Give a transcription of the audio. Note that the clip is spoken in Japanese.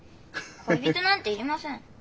恋人なんていりません。